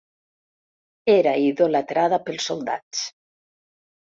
Era idolatrada pels soldats.